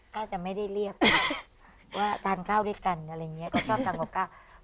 ก็จะไม่ได้เรียกว่าทานข้าวด้วยกันอะไรอย่างนี้ก็ชอบทานกับข้าว